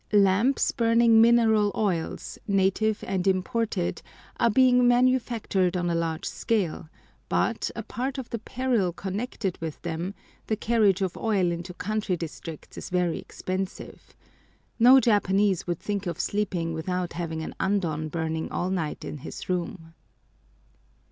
Lamps, burning mineral oils, native and imported, are being manufactured on a large scale, but, apart from the peril connected with them, the carriage of oil into country districts is very expensive. No Japanese would think of sleeping without having an andon burning all night in his room.